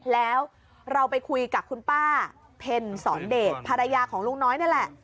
แล้วเราไปคุยกับคุณป้าเพ็ญสอนเดชภรรยาของลุงน้อยนั่นแหละ